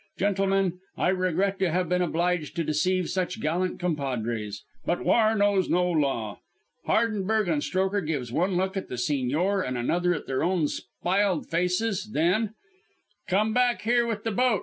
Gentlemen, I regret to have been obliged to deceive such gallant compadres; but war knows no law.' "Hardenberg and Strokher gives one look at the Sigñor and another at their own spiled faces, then: "'Come back here with the boat!'